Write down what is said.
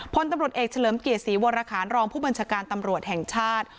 พลตำรวจเอกเฉลิมเกียรติศรีวรคารรองผู้บัญชาการตำรวจแห่งชาติ